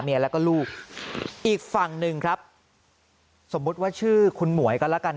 เมียแล้วก็ลูกอีกฝั่งนึงครับสมมุติว่าชื่อคุณหมวยก็ละกัน